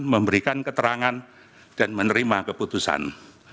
memberikan keterangan dan menerima keputusan